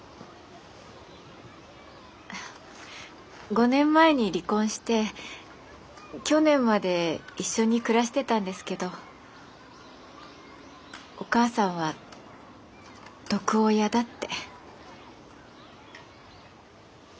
５年前に離婚して去年まで一緒に暮らしてたんですけどお母さんは毒親だって。